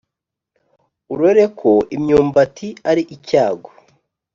Urore ko imyumbati ari icyago.